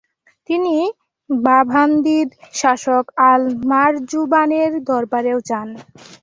তিনি বাভান্দিদ শাসক আল- মারজুবানের দরবারেও যান।